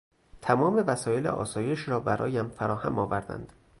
تمام وسایل آسایش را برایم فراهم آوردند.